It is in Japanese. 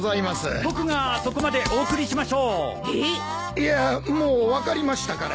いやもう分かりましたから。